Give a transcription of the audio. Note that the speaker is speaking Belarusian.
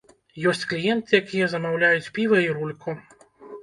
Ёсць кліенты, якія замаўляюць піва і рульку.